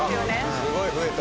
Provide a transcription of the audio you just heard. すごい増えた。